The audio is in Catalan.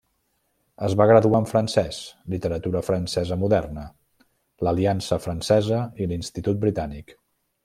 Es va graduar en francès, literatura francesa moderna, l'Aliança Francesa i l'Institut Britànic.